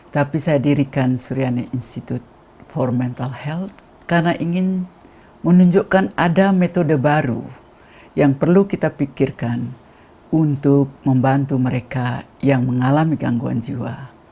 tapi saya dirikan suryane institute for mental health karena ingin menunjukkan ada metode baru yang perlu kita pikirkan untuk membantu mereka yang mengalami gangguan jiwa